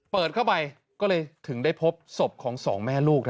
เปิดเข้าไปก็เลยถึงได้พบศพของสองแม่ลูก